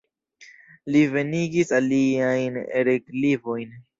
Li venigis aliajn relikvojn.